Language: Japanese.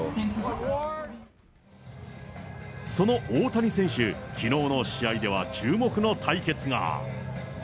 その大谷選手、きのうの試合では、注目の対決が。